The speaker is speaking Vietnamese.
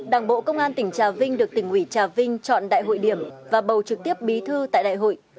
đảng bộ công an tỉnh trà vinh được tỉnh ủy trà vinh chọn đại hội điểm và bầu trực tiếp bí thư tại đại hội